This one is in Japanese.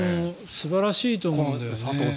素晴らしいと思うんだよね。